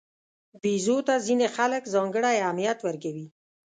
بیزو ته ځینې خلک ځانګړی اهمیت ورکوي.